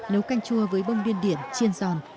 nấu canh chua với bông điên điển chiên giòn